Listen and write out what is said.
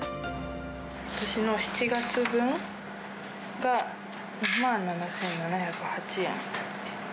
ことしの７月分が２万７７０８円。